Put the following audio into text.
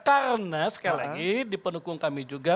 karena sekali lagi di pendukung kami juga